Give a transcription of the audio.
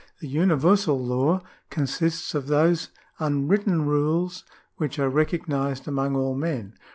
The universal law consists of those unwritten rules which are recognised among all men."